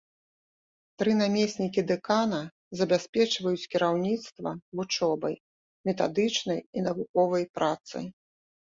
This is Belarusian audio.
Тры намеснікі дэкана забяспечваюць кіраўніцтва вучобай, метадычнай і навуковай працай.